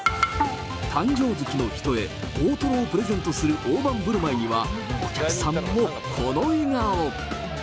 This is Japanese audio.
誕生月の人へ、大トロをプレゼントする大盤ぶるまいには、お客さんもこの笑顔。